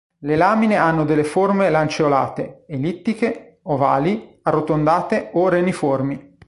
Le lamine hanno delle forme lanceolate, ellittiche, ovali, arrotondate o reniformi.